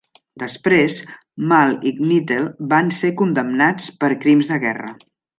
Després, Mahl i Knittel van ser condemnats per crims de guerra.